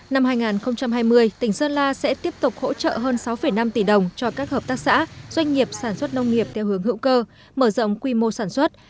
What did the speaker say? năm hai nghìn hai mươi tỉnh sơn la sẽ tiếp tục hỗ trợ hơn sáu năm tỷ đồng cho các hợp tác xã doanh nghiệp sản xuất nông nghiệp theo hướng hữu cơ mở rộng quy mô sản xuất